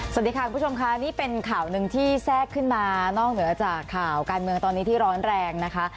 สวัสดีค่ะคุณผู้ชมค่ะนี่เป็นข่าวหนึ่งที่แทรกขึ้นมานอกเหนือจากข่าวการเมืองตอนนี้ที่ร้อนแรงนะคะ